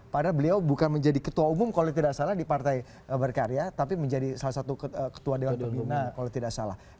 padahal beliau bukan menjadi ketua umum kalau tidak salah di partai berkarya tapi menjadi salah satu ketua dewan pembina kalau tidak salah